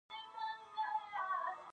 سهار د ژوند له خدای سره تړاو دی.